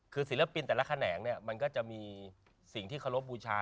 คือศิลปินแต่ละแขนงเนี่ยมันก็จะมีสิ่งที่เคารพบูชา